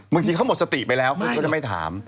บางทีเขาหมดสติไปแล้วคุณก็จะไม่ถาม